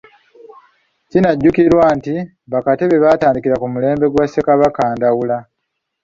Kinajjukirwa nti bakatebe baatandikira ku mulembe gwa Ssekabaka Ndawula.